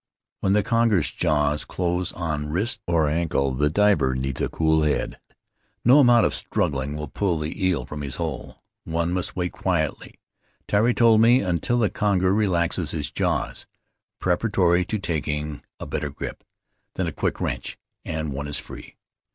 When the conger's jaws close on wrist or ankle, the diver needs a cool head; no amount of struggling will pull the eel from his hole. One must wait quietly, Tairi told me, until the conger relaxes his jaws preparatory to taking Marooned on Mataora a better grip. Then a quick wrench, and one is free.